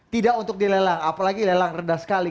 tidak untuk dilelang apalagi lelang rendah sekali